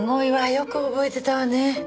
よく覚えてたわね。